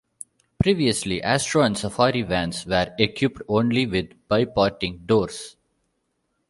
Previously, Astro and Safari vans were equipped only with bi-parting doors.